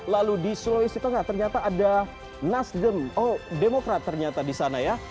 lalu di sulawesi tengah ternyata ada nasdem oh demokrat ternyata di sana ya